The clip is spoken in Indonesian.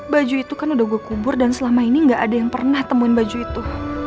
baju itu kan udah gue kubur dan selama ini gak ada yang pernah temuin baju itu